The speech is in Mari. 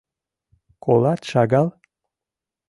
Колат шагал?